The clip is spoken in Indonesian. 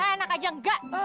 eh anak aja nggak